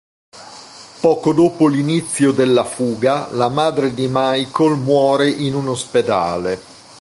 Poco dopo l'inizio della fuga, la madre di Michael muore in un ospedale.